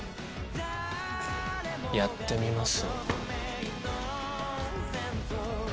やってみます？